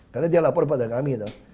karena dia lapor pada kami